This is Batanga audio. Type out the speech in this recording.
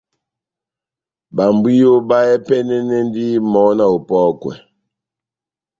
Babwiyo bahɛpɛnɛnɛndini mɔhɔ́ na opɔ́kwa